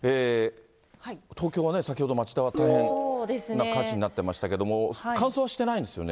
東京はね、先ほど町田が大変な火事になってましたけれども、乾燥してないんですよね。